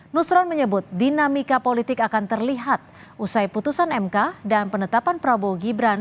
nusron menyebut dinamika politik akan terlihat usai putusan mk dan penetapan prabowo gibran